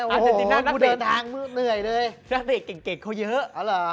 อาเจนตินน่านักเด็กเก่งเขาเยอะ